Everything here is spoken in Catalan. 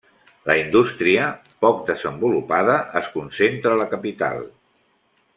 La indústria, poc desenvolupada, es concentra a la capital.